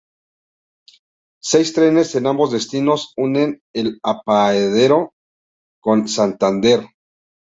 Seis trenes en ambos destinos unen el apeadero con Santander.